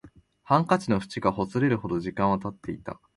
ハンカチの縁がほつれるほど時間は経っていた